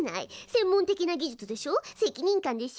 専門的な技術でしょ責任感でしょ。